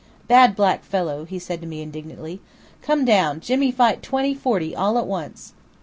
"Bad black fellow," he said to me indignantly. "Come down, Jimmy fight twenty forty all a once."